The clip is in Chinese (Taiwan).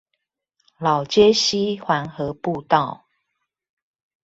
老街溪環河步道